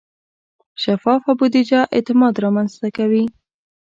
شفافه بودیجه اعتماد رامنځته کوي.